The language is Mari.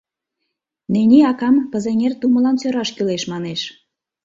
Нени акам «Пызеҥер тумылан сӧраш кӱлеш» манеш.